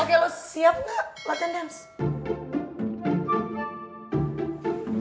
oke lu siap ga latihan dance